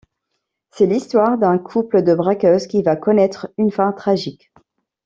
C'est l'histoire d'un couple de braqueuses qui va connaître une fin tragique.